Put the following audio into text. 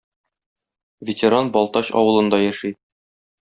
Ветеран Балтач авылында яши.